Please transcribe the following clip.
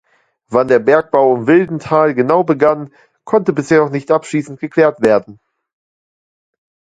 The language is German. Wann der Bergbau um Wildenthal genau begann, konnte bisher noch nicht abschließend geklärt werden.